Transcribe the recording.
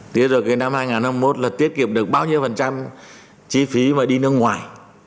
tiếp rồi cái năm hai nghìn một là tiết kiệm được bao nhiêu phần trăm chi phí mà đi nước ngoài